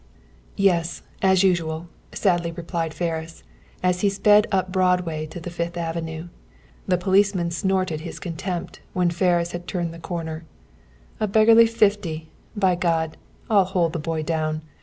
"Yes, as usual," sadly replied Ferris, as he sped up Broadway to the Fifth Avenue. The policeman snorted his contempt, when Ferris had turned the corner. "A beggarly fifty! By God! I'll hold the boy down.